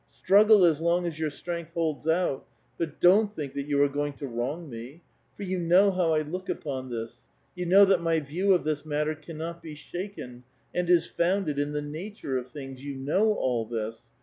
Struggle as long as your strength holds out, but <ioii*t think that you are going to wrong me. For you know liow 1 look upon this ; you know that my view of this matter oa.anot be shaken, and is founded in the nature of things : you know all this.